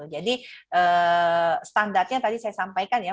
jadi standarnya tadi saya sampaikan ya